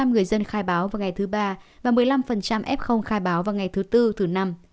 một mươi người dân khai báo vào ngày thứ ba và một mươi năm f khai báo vào ngày thứ tư thứ năm